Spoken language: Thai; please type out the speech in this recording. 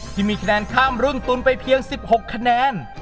ที่มีคะแนนข้ามรุ่นตุนไปเพียง๑๖คะแนน